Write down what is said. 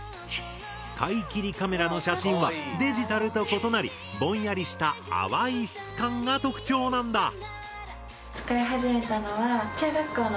使い切りカメラの写真はデジタルと異なりぼんやりした淡い質感が特徴なんだ！